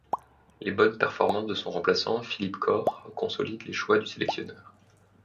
Les bonnes performances de son remplaçant, Philippe Koch, consolide les choix du sélectionneur.